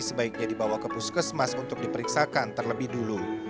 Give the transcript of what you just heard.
sebaiknya dibawa ke puskesmas untuk diperiksakan terlebih dulu